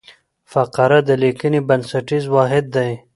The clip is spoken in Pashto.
فقره د لیکني بنسټیز واحد دئ.